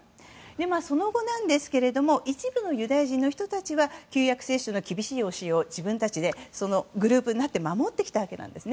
その後、一部のユダヤ人の人たちは旧約聖書の厳しい教えを自分たちでグループになって守ってきたわけです。